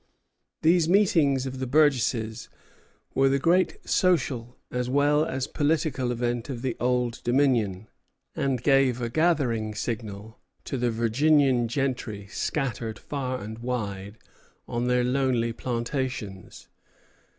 These meetings of the burgesses were the great social as well as political event of the Old Dominion, and gave a gathering signal to the Virginian gentry scattered far and wide on their lonely plantations.